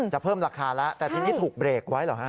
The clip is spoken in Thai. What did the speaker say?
จะเพิ่มราคาละแต่ที่นี่ถูกเบรกไว้หรือ